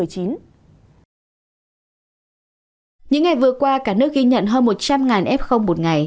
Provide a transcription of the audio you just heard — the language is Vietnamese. những ngày vừa qua cả nước ghi nhận hơn một trăm linh ép không một ngày